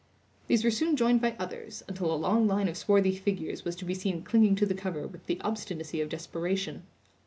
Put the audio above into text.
These were soon joined by others, until a long line of swarthy figures was to be seen clinging to the cover with the obstinacy of desperation.